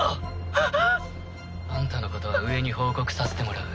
はっ！あんたのことは上に報告させてもらう。